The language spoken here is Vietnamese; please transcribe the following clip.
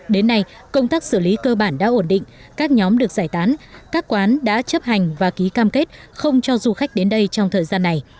đến nay công tác xử lý cơ bản đã ổn định các nhóm được giải tán các quán đã chấp hành và ký cam kết không cho du khách đến đây trong thời gian này